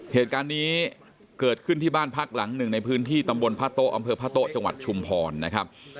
เหตุการณ์นี้เกิดขึ้นที่บ้านพักหลังหนึ่งในพื้นที่ตำบลพระโต๊ะอำเภอพระโต๊ะจังหวัดชุมพรนะครับ